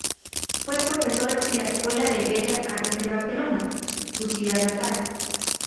Fue profesor de la Escuela de Bellas Artes de Barcelona, su ciudad natal.